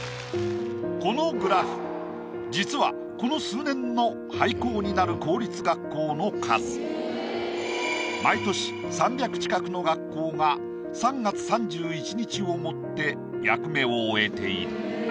このグラフ実はこの数年の。毎年３００近くの学校が３月３１日をもって役目を終えている。